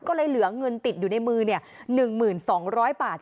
ก็เลยเหลือเงินติดอยู่ในมือเนี่ยหนึ่งหมื่นสองร้อยบาท